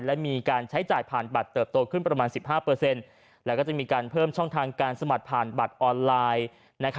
และมีการใช้จ่ายผ่านบัตรเติบโตขึ้นประมาณ๑๕แล้วก็จะมีการเพิ่มช่องทางการสมัครผ่านบัตรออนไลน์